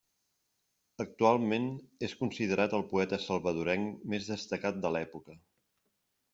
Actualment és considerat el poeta salvadorenc més destacat de l'època.